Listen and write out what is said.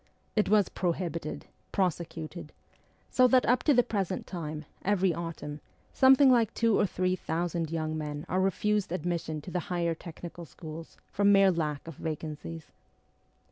It was prohibited, prosecuted ; so that up to the present time, every autumn, something like two or three thousand young men are refused admission to the higher technical schools from mere lack of vacancies.